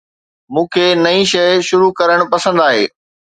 مون کي نئين شيء شروع ڪرڻ پسند آهي